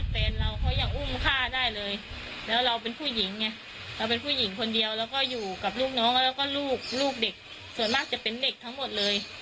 เป็นเด็กทั้งหมดเลย